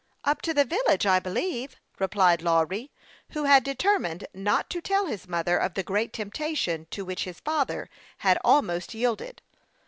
" Up to the village, I believe," replied Lawry, who had determined not to tell his mother of the great temptation to which his father had almost yielded.